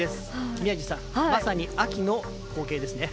宮司さん、まさに秋の光景ですね。